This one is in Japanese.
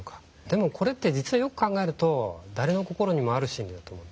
でもこれってよく考えると誰の心にもある心理だと思います。